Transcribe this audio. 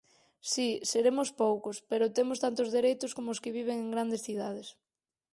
Si, seremos poucos, pero temos tantos dereitos como os que viven en grandes cidades.